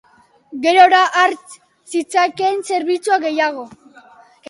Gerora, har zitzakeen zerbitzu gehiago.